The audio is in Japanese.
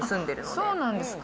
そうなんですか。